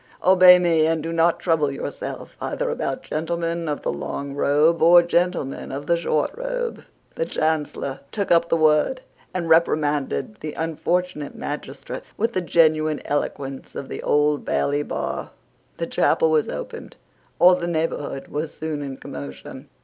"Obey me; and do not trouble yourself either about gentlemen of the long robe or gentlemen of the short robe." The Chancellor took up the word, and reprimanded the unfortunate magistrate with the genuine eloquence of the Old Bailey bar. The chapel was opened. All the neighbourhood was soon in commotion.